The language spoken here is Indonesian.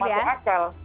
tidak masih akal